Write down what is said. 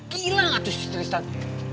gila atuh si tristan